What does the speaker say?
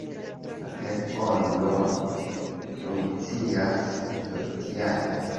La telfero funkcias tutjare.